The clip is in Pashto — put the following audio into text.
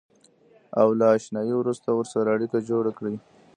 او له اشنایۍ وروسته ورسره اړیکه جوړه کړئ.